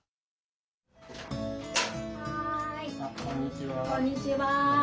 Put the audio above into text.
こんにちは。